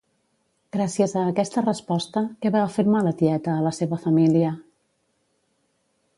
Gràcies a aquesta resposta, què va afirmar la tieta a la seva família?